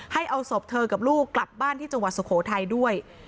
ให้เอาศพเธอกับลูกกลับบ้านที่จังหวัดสุโขทัยด้วย